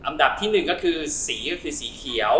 อำดับที่๑ก็คือสีเขียว